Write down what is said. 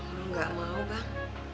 kalo lu gak mau bang